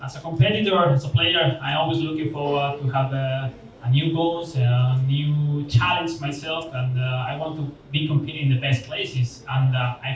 sebagai pemain saya selalu mencari tujuan baru mencari tantangan baru dan saya ingin berkompetisi di tempat yang terbaik